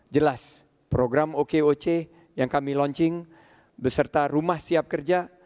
jelas program okoc yang kami launching beserta rumah siap kerja